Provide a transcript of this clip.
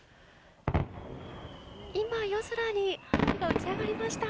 今、夜空に花火が打ち上がりました。